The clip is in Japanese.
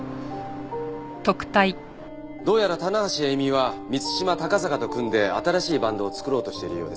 どうやら棚橋詠美は満島高坂と組んで新しいバンドを作ろうとしているようです。